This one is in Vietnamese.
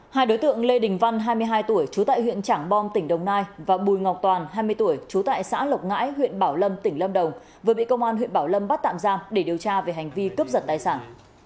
hai đối tượng lê đình văn hai mươi hai tuổi trú tại huyện trảng bom tỉnh đồng nai và bùi ngọc toàn hai mươi tuổi trú tại xã lộc ngãi huyện bảo lâm tỉnh lâm đồng vừa bị công an huyện bảo lâm bắt tạm giam để điều tra về hành vi cướp giật tài sản